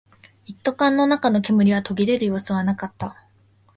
一斗缶の中の煙は途切れる様子はなかった